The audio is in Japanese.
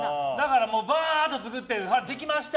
ばーっと作ってできました！